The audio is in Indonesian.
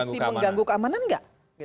potensi mengganggu keamanan nggak